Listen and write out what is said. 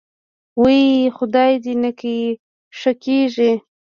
وۍ خدای دې نکي ښه کېږې.